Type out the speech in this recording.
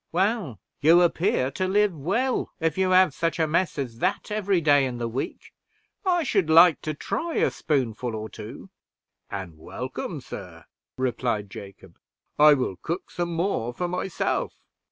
"Well, you appear to live well, if you have such a mess as that every day in the week. I should like to try a spoonful or two." "And welcome, sir," replied Jacob; "I will cook some more for myself."